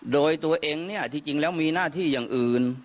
โดยตัวเองเนี่ยที่จริงแล้วมีหน้าที่อย่างอื่น